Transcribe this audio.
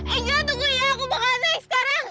angel tunggu ya aku bakalan naik sekarang